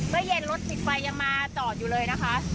เมื่อเย็นรถติดไฟยังมาจอดอยู่เลยนะคะ